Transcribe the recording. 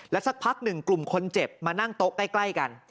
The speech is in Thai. สักพักหนึ่งกลุ่มคนเจ็บมานั่งโต๊ะใกล้กัน